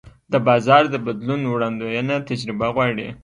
د بازار د بدلون وړاندوینه تجربه غواړي.